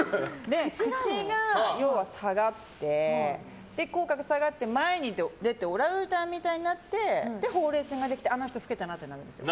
口が下がって口角が下がって前に出てオランウータンみたいになってほうれい線ができてあの人老けたなってなるんですよ。